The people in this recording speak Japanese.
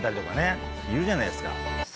いるじゃないですか。